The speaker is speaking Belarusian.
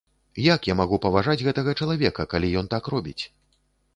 Як я магу паважаць гэтага чалавека, калі ён так робіць?